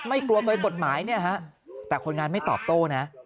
ไม่กลัวตัวบทหมายนี่ฮะแต่คนงานไม่ตอบโตนะ